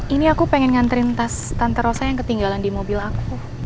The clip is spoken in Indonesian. ini aku pengen nganterin tas tante rosa yang ketinggalan di mobil aku